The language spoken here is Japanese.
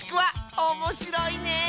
おもしろいね！